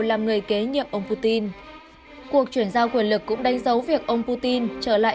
làm người kế nhiệm ông putin cuộc chuyển giao quyền lực cũng đánh dấu việc ông putin trở lại